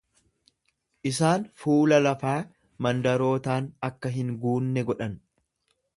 Isaan fuula lafaa mandarootaan akka hin guunne godha.